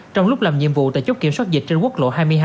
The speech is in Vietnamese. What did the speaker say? trong lúc làm nhiệm vụ tài chốc kiểm soát dịch trên quốc lộ hai mươi hai